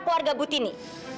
anggota keluarga butini